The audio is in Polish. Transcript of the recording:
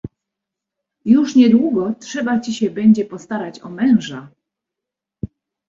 "Już nie długo trzeba ci się będzie postarać o męża!"